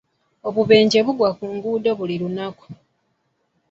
Obubenje bugwa ku nguudo buli lunaku.